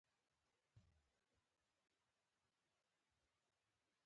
د ځوانې ښځې مړی يې له دهلېز څخه ووېسته.